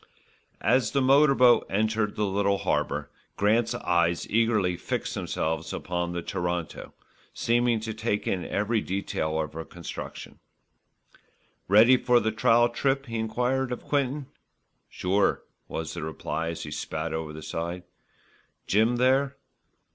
As the motor boat entered the little harbour, Grant's eyes eagerly fixed themselves upon the Toronto, seeming to take in every detail of her construction. "Ready for the trial trip?" he enquired of Quinton. "Sure," was the reply as he spat over the side. "Jim there?"